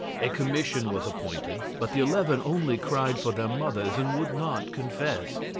A commission was appointed, but the eleven only cried for their mothers and would not confess.